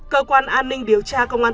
cơ quan an ninh điều tra công an